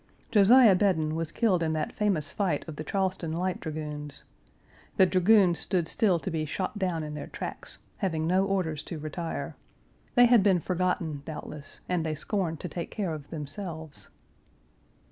Josiah Bedon was killed in that famous fight of the Charleston Light Dragoons. The dragoons stood still to be shot down in their; tracks, having no orders to retire. They had been forgotten, doubtless, and they scorned to take care of themselves.